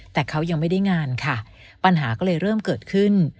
แต่เขายังไม่ได้งานค่ะปัญหาก็เลยเริ่มเกิดขึ้น